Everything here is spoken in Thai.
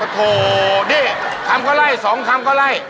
โถนี่คำก็ไล่สองคำก็ไล่